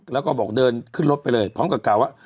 แล้วก็บอกเดินขึ้นรถไปเลยพร้อมกับกล่าวว่า